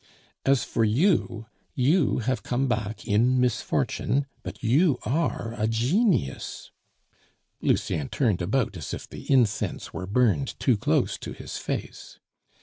As for you, you have come back in misfortune, but you are a genius." (Lucien turned about as if the incense were burned too close to his face.)